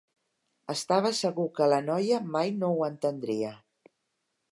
Estava segur que la noia mai no ho entendria.